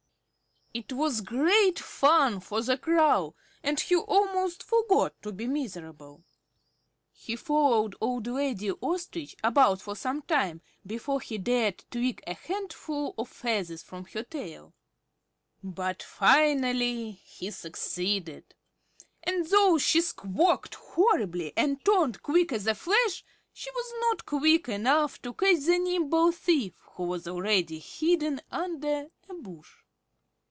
It was great fun for the Crow, and he almost forgot to be miserable. He followed old lady Ostrich about for some time before he dared tweak a handful of feathers from her tail. But finally he succeeded; and though she squawked horribly and turned, quick as a flash, she was not quick enough to catch the nimble thief, who was already hidden under a bush.